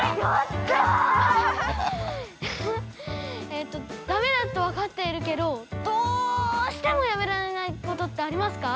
えっとダメだと分かっているけどどしてもやめられないことってありますか？